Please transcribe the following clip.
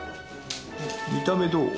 見た目どう？